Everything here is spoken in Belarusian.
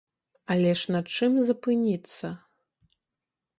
Але ж на чым запыніцца?